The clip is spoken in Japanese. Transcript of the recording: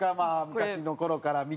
昔の頃から見て。